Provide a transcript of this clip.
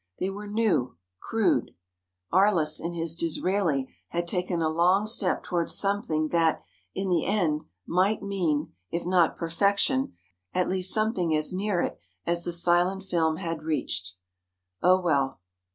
They were new, crude—Arliss in his "Disraeli" had taken a long step towards something that, in the end, might mean, if not perfection, at least something as near it as the silent film had reached. Oh, well....